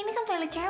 ini kan toilet cewek